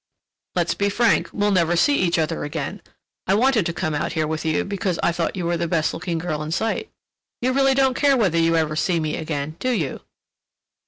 "Let's be frank—we'll never see each other again. I wanted to come out here with you because I thought you were the best looking girl in sight. You really don't care whether you ever see me again, do you?"